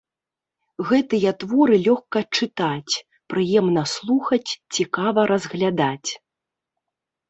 Гэтыя творы лёгка чытаць, прыемна слухаць, цікава разглядаць.